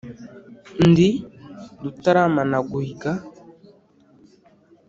ndi rutaramanaguhiga.